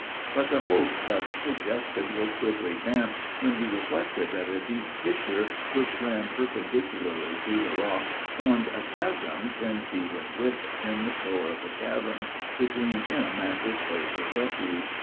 But the hope thus suggested was quickly damped when he reflected that a deep fissure, which ran perpendicularly through the rock, formed a chasm ten feet in width, in the floor of the cavern, between him and his place of refuge.